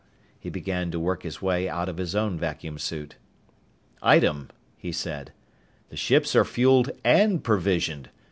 He began to work his way out of his own vacuum suit. "Item," he said. "The ships are fuelled and provisioned.